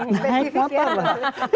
nah ini kotor lah